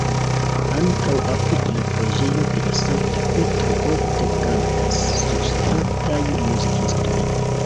Ankaŭ apud la preĝejo de la sankta Petro ofte kantas surstrataj muzikistoj.